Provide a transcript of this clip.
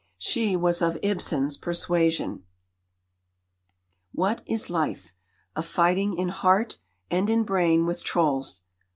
She was of Ibsen's persuasion: What is Life? a fighting In heart and in brain with trolls.